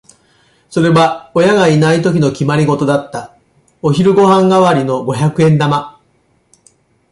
それは親がいないときの決まりごとだった。お昼ご飯代わりの五百円玉。